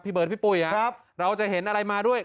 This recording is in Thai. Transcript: เบิร์ดพี่ปุ้ยครับเราจะเห็นอะไรมาด้วย